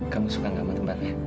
kamu suka sama tempatnya